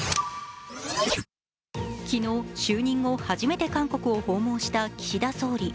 昨日就任後初めて韓国を訪問した岸田総理。